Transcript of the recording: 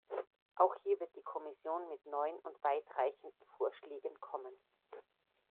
Auch hier wird die Kommission mit neuen und weit reichenden Vorschlägen kommen.